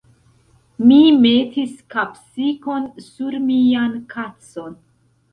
Mi metis kapsikon sur mian kacon.